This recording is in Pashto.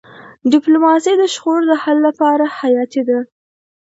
ډيپلوماسي د شخړو د حل لپاره حیاتي ده.